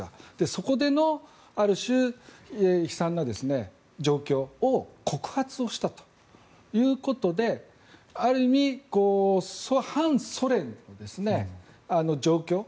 そこでのアルシュ悲惨な状況を告発をしたということである意味、反ソ連の状況